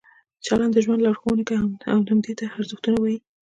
چلند د ژوند لارښوونه کوي او همدې ته ارزښتونه وایي.